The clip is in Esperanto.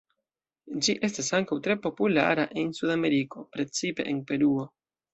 Ĝi estas ankaŭ tre populara en Sudameriko, precipe en Peruo.